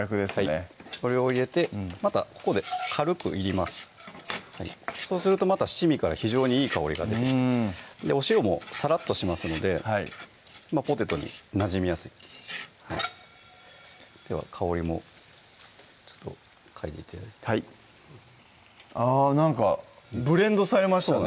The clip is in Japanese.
はいこれを入れてまたここで軽くいりますそうするとまた七味から非常にいい香りが出てお塩もさらっとしますのでポテトになじみやすいでは香りもちょっとかいで頂いてはいあぁなんかブレンドされましたね